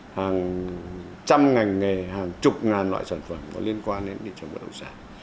hàng trăm ngành nghề hàng chục ngàn loại sản phẩm có liên quan đến thị trường bất động sản